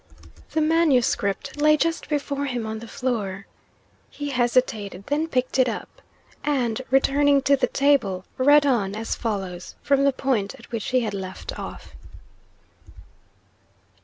The manuscript lay just before him on the floor. He hesitated; then picked it up; and, returning to the table, read on as follows, from the point at which he had left off.